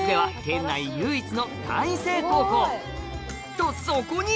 とそこに！